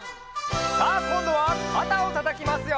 「」さあこんどはかたをたたきますよ。